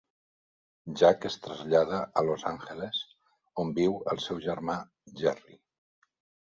Jack es trasllada a Los Àngeles, on viu el seu germà Gerry.